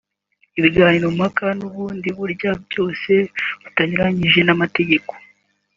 ibiganiro mpaka n’ubundi buryo bwose butanyuranyije n’amategeko